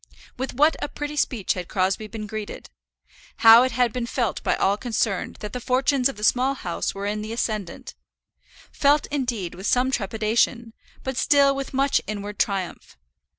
With what a pretty speech had Crosbie been greeted! How it had been felt by all concerned that the fortunes of the Small House were in the ascendant, felt, indeed, with some trepidation, but still with much inward triumph.